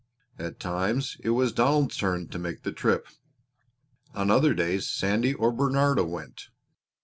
At times it was Donald's turn to make this trip; on other days Sandy or Bernardo went.